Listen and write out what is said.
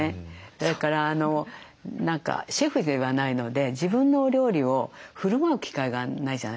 それから何かシェフではないので自分のお料理をふるまう機会がないじゃないですかね。